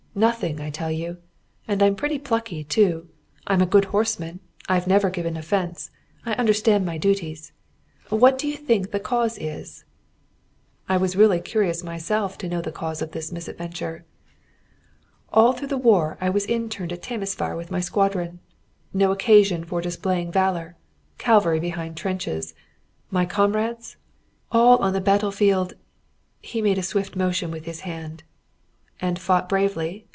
Nothing, I tell you! And I'm pretty plucky too. I'm a good horseman I've never given offence I understand my duties. What do you think the cause is?" I really was curious myself to know the cause of this misadventure. "All through the war I was interned at Temesvar with my squadron. No occasion for displaying valour. Cavalry behind trenches. My comrades all on the battle field" he made a swift motion with his hand. "And fought bravely?"